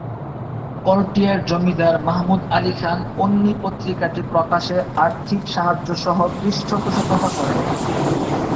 করটিয়ার জমিদার মাহমুদ আলী খান পন্নী পত্রিকাটি প্রকাশে আর্থিক সাহায্যসহ পৃষ্ঠপোষকতা করেন।